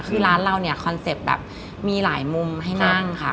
คือร้านเราเนี่ยคอนเซ็ปต์แบบมีหลายมุมให้นั่งค่ะ